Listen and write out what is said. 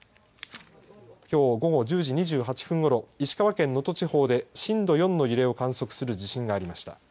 きょう午後１０時２８分ごろ石川県能登地方で震度４の揺れを観測する地震がありました。